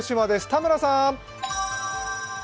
田村さん。